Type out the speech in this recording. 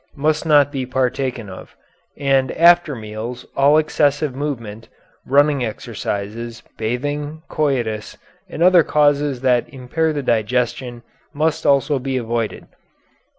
must not be partaken of, and after meals all excessive movement, running exercises, bathing, coitus, and other causes that impair the digestion, must also be avoided.